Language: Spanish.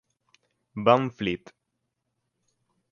Van Fleet'.